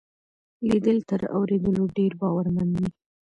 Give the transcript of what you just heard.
ليدل تر اورېدلو ډېر باورمن وي.